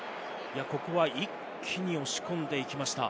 ここは一気に押し込んでいきました。